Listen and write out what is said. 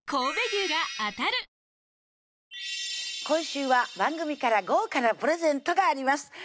今週は番組から豪華なプレゼントがあります